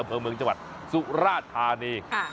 เผลอเมืองจังหวัดสุราชธานีค่ะ